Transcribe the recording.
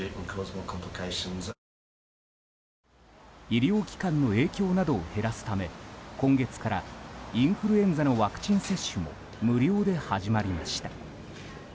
医療機関の影響などを減らすため今月からインフルエンザのワクチン接種も無料で始まりました。